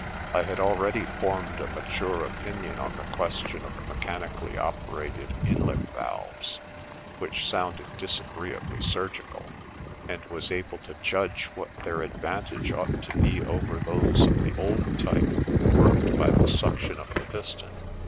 I had already formed a mature opinion on the question of mechanically operated inlet valves (which sounded disagreeably surgical), and was My Lesson 35 able to judge what their advantage ought to be over those of the old type worked by the suction of the piston.